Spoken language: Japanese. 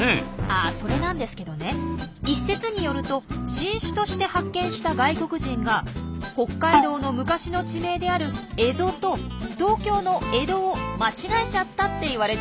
あそれなんですけどね一説によると新種として発見した外国人が北海道の昔の地名である「蝦夷」と東京の「江戸」を間違えちゃったって言われてるんですよ。